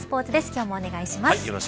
今日もお願いします。